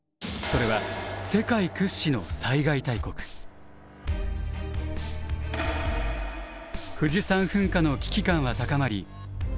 それは世界屈指の富士山噴火の危機感は高まり